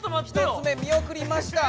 １つ目見おくりました。